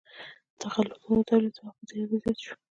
د غلو دانو تولید د وخت په تیریدو زیات شو.